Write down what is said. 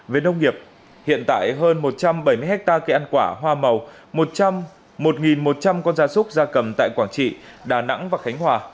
về nông nghiệp hiện tại hơn một trăm bảy mươi hectare cây ăn quả hoa màu một trăm linh một một trăm linh con gia súc ra cầm tại quảng trị đà nẵng và khánh hòa